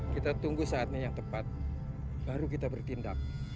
kita tunggu saatnya yang tepat baru kita bertindak